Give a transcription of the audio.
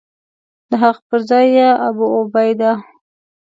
د هغه پر ځای یې ابوعبیده.